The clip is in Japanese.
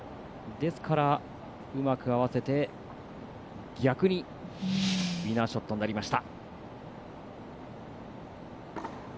ですからうまく合わせて逆にウィナーショットになりました。